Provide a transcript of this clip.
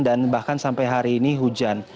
dan bahkan sampai hari ini hujan